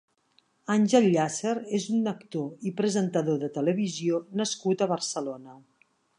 Àngel Llàcer és un actor i presentador de televisió nascut a Barcelona.